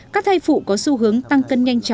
các thai phụ có xu hướng thay đổi các dưỡng chất thiết yếu